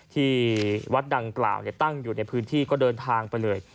ที่วัดดังกล่าวตั้งอยู่ในพื้นที่ก็เดินทางไปเลย